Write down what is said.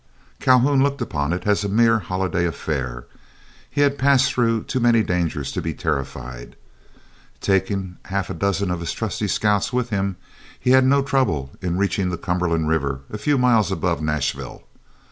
Calhoun looked upon it as a mere holiday affair; he had passed through too many dangers to be terrified. Taking half a dozen of his trusty scouts with him, he had no trouble in reaching the Cumberland River a few miles above Nashville.